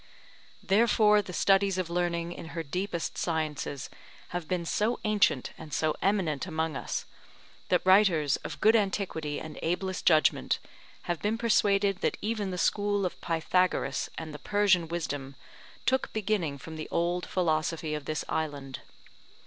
Therefore the studies of learning in her deepest sciences have been so ancient and so eminent among us, that writers of good antiquity and ablest judgment have been persuaded that even the school of Pythagoras and the Persian wisdom took beginning from the old philosophy of this island.